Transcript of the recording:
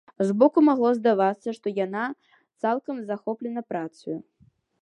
Збоку магло здавацца, што яна цалкам захоплена працаю.